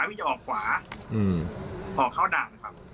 พี่จะออกขวาออกเข้าด่านครับ